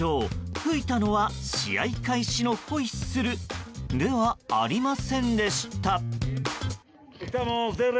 吹いたのは試合開始のホイッスルではありませんでした。